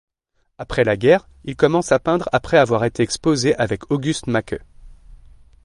Après la guerre, il commence à peindre après avoir été exposé avec August Macke.